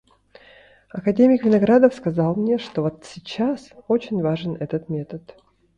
Академик Виноградов сказал мне, что вот сейчас очень важен этот метод.